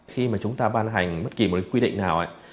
khi mà chúng ta ban hành bất kỳ một quy định nào